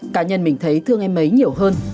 cả nhân mình thấy thương em ấy nhiều hơn